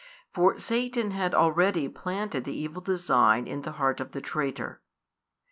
For Satan had already planted the evil design in the heart of the traitor.